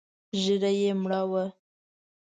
ږيره يې مړه وه.